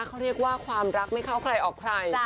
เขาเรียกว่าความรักไม่เข้าใครออกใคร